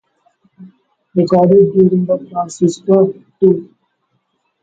Recorded during the "Transistor" tour.